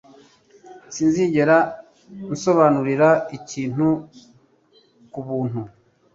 Sinzigera nsobanura ikintu kubuntu.